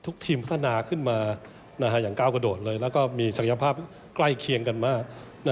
ทีมพัฒนาขึ้นมาอย่างก้าวกระโดดเลยแล้วก็มีศักยภาพใกล้เคียงกันมาก